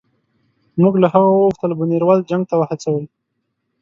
موږ له هغه وغوښتل بونیروال جنګ ته وهڅوي.